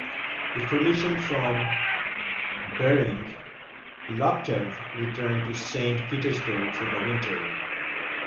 With permission from Bering, Laptev returned to Saint Petersburg for the winter.